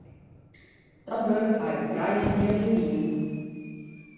Dat wurk haw ik trije en in heal jier dien.